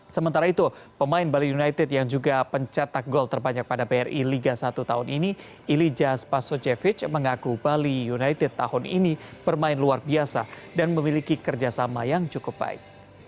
sementara itu pemain bali united yang juga pencetak gol terbanyak pada bri liga satu tahun ini ilija spasojevic mengaku bali united tahun ini bermain luar biasa dan memiliki kerjasama yang cukup baik